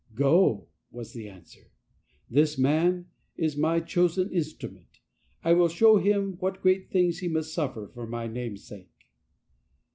" Go," was the answer; " this man is my chosen instrument. I will show him what great things he must sufiEer for My Name's sake."